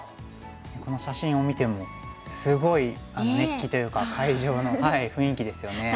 この写真を見てもすごい熱気というか会場の雰囲気ですよね。